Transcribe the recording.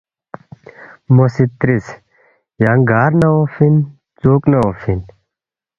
مو سی ترِس ”یانگ گار نہ اونگفی اِن؟ ژُوک نہ اونگفی اِن؟“